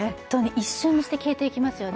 一瞬にして消えていきますよね。